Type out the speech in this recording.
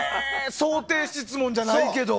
想定質問じゃないけど。